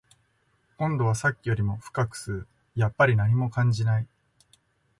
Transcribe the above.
今度はさっきよりも深く吸う、やっぱり何も感じない